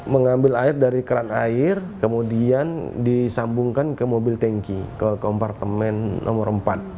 mengambil air dari keran air kemudian disambungkan ke mobil tanki ke kompartemen nomor empat